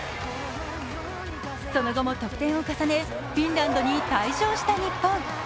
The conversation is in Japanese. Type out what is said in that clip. その後も得点を重ね、フィンランドに大勝した日本。